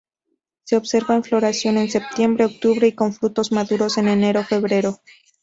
Se observa en floración en septiembre-octubre y con frutos maduros en enero-febrero.